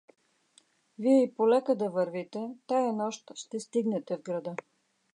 Вие и полека да вървите, тая нощ ще стигнете в града.